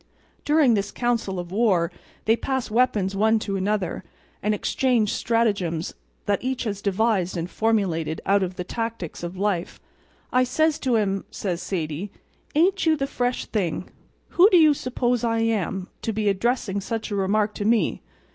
During this council of war they pass weapons one to another, and exchange stratagems that each has devised and formulated out of the tactics of life. "I says to 'im," says Sadie, "ain't you the fresh thing! Who do you suppose I am, to be addressing such a remark to me?